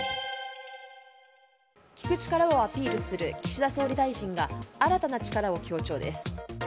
聞く力をアピールする岸田総理大臣が新たな力を強調です。